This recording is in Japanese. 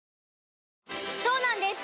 そうなんです